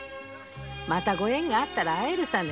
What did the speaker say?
またご縁があったら会えるさね。